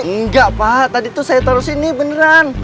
enggak pak tadi itu saya taruh sini beneran